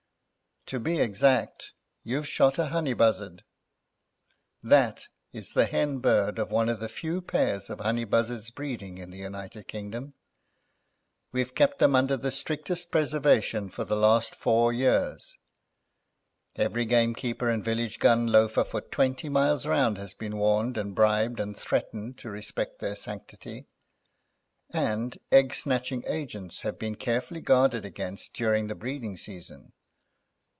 "To be exact, you've shot a honey buzzard. That is the hen bird of one of the few pairs of honey buzzards breeding in the United Kingdom. We've kept them under the strictest preservation for the last four years; every game keeper and village gun loafer for twenty miles round has been warned and bribed and threatened to respect their sanctity, and egg snatching agents have been carefully guarded against during the breeding season.